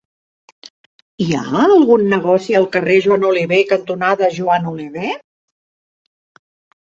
Hi ha algun negoci al carrer Joan Oliver cantonada Joan Oliver?